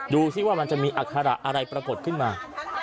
ดูสิว่ามันจะมีอัคระอะไรปรากฏขึ้นมา